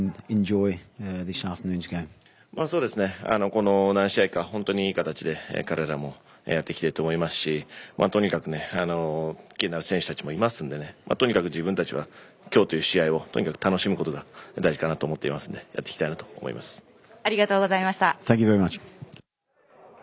この何試合か本当にいい形で彼らもやってきていると思いますしとにかくキーになる選手たちもいますのでとにかく自分たちは今日という試合を楽しむことが大事かなと思っていますのでありがとうございました。